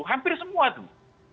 hampir semua tuh